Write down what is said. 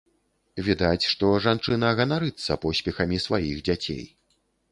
Відаць, што жанчына ганарыцца поспехамі сваіх дзяцей.